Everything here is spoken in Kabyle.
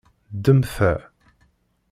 Ddem ta.